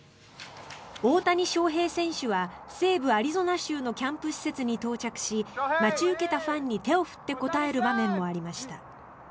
大谷翔平選手は西部アリゾナ州のキャンプ施設に到着し待ち受けたファンに手を振って応える場面もありました。